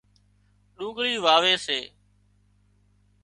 ڏوڳۯي واوي سي